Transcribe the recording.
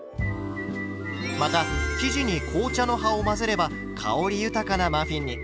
また生地に紅茶の葉を混ぜれば香り豊かなマフィンに。